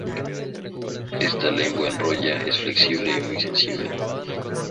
Esta "lengua enrollada" es flexible y muy sensible.